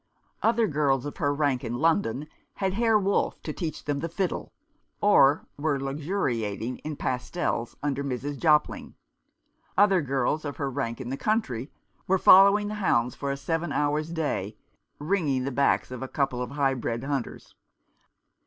Other gir!s of her rank in London had Herr Wolff to teach them the fiddle, or were luxuriating in pastels under INIrs. Jailing. Other girls of her rank in the country were following the hounds for a seven hours' day, wringing the bac^s of a couple of high bred hunters.